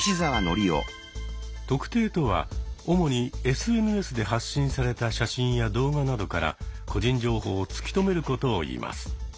「特定」とは主にＳＮＳで発信された写真や動画などから個人情報を突き止めることをいいます。